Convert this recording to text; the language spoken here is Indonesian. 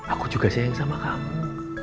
aku juga sayang sama kamu